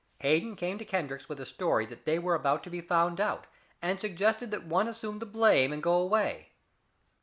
Hayden came to Kendrick with the story that they were about to be found out, and suggested that one assume the blame and go away.